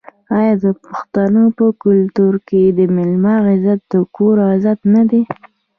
آیا د پښتنو په کلتور کې د میلمه عزت د کور عزت نه دی؟